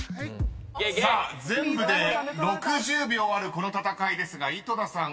［さあ全部で６０秒あるこの戦いですが井戸田さん